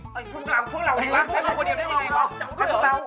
พวกเราดีกว่า